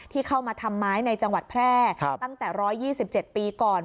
ที่เข้ามาทำไม้ในจังหวัดแพร่ตั้งแต่๑๒๗ปีก่อน